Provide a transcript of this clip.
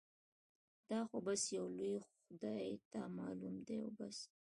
دا خو بس يو لوی خدای ته معلوم دي او بس.